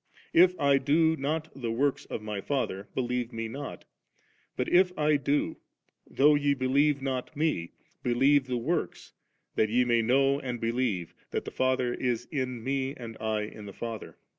If I do not the works of My Father, believe Me not But if I do, though je believe not Me, believe the works, that ye may know and believe that the Father is in U^ aad I m the Father.'